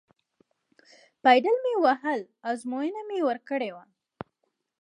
پایډل مې وهلی و، ازموینه مې ورکړې وه.